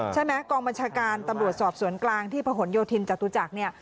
ใช่ไหมกองบัญชาการตำรวจสอบสวนกลางที่ผนโยธินจตุจักรเนี่ย